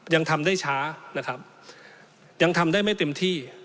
ยังทำได้ช้านะครับยังทำได้ไม่เต็มที่